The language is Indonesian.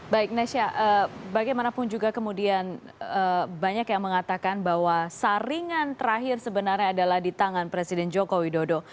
baik nesha bagaimanapun juga kemudian banyak yang mengatakan bahwa saringan terakhir sebenarnya adalah di tangan presiden joko widodo